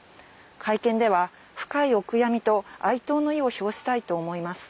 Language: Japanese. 会見では、深いお悔やみと哀悼の意を表したいと思います。